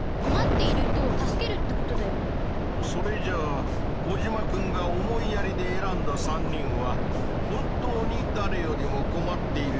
それじゃあコジマくんが「思いやり」で選んだ３人は本当にだれよりもこまっている人たちなんだね？